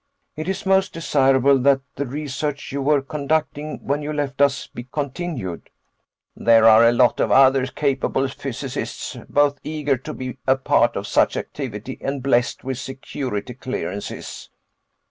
It is most desirable that the research you were conducting when you left us, be continued." "There are a lot of other capable physicists, both eager to be a part of such activity and blessed with security clearances."